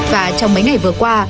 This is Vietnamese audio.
và trong mấy ngày vừa qua